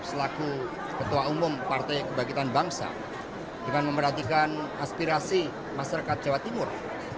selaku ketua umum partai kebangkitan bangsa dengan memerhatikan aspirasi masyarakat jawa timur